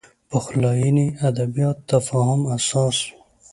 پخلاینې ادبیات تفاهم اساس و